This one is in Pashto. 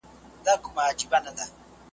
بندولې یې د خلکو د تلو لاري .